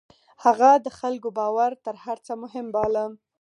هغه د خلکو باور تر هر څه مهم باله.